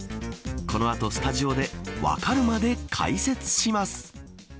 この後、スタジオでわかるまで解説します。